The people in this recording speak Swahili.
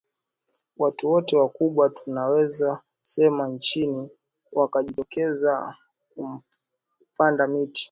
watu wote wakubwa tunaweza sema nchini wakajitokeza kupanda miti